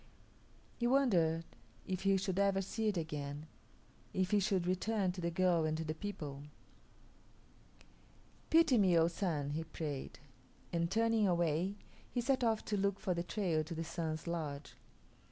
He wondered if he should ever see it again; if he should return to the girl and to the people. "Pity me, O Sun!" he prayed; and turning away, he set off to look for the trail to the Sun's lodge.